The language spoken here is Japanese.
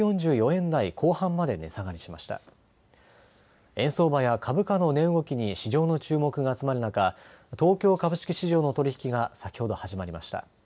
円相場や株価の値動きに市場の注目が集まる中、東京株式市場の取り引きが先ほど始まりました。